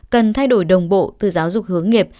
cần thay đổi đồng bộ từ giáo dục hướng nghiệp